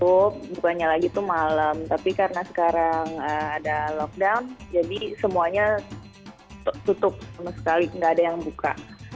tutup bukanya lagi itu malam tapi karena sekarang ada lockdown jadi semuanya tutup sama sekali nggak ada yang buka